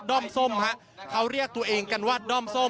้อมส้มฮะเขาเรียกตัวเองกันว่าด้อมส้ม